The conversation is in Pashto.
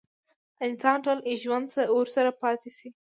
انسان ټول ژوند ورسره پاتې شي.